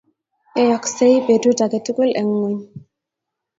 Yayasgei betut age tugul eng ngweny